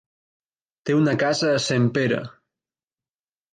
Té una casa a Sempere.